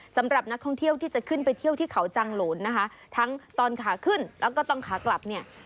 สำหรับนักท่องเที่ยวที่จะขึ้นไปเที่ยวที่เขาจังโหลนนะคะทั้งตอนขาขึ้นแล้วก็ตอนขากลับเนี่ย